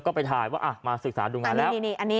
ก็ไปถ่ายว่ามาศึกษาดูงานแล้ว